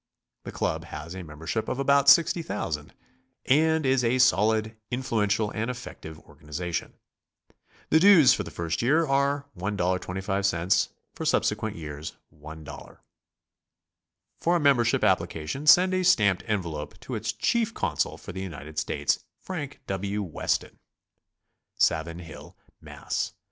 The club has a membership of about 60,000, and is a solid, influential and effective organization. ITie dues for the first y ear are $1.25; for subsequent years $1.00. For a membership application send a stamped envelope to its Chief Consul for the LTnited States, Frank W. Weston, Savin Hill, Mass.